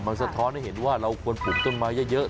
มันสะท้อนให้เห็นว่าเราควรปลูกต้นไม้เยอะ